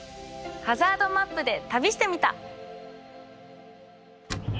ハザードマップで旅してみた！